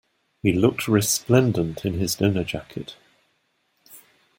He looked resplendent in his dinner jacket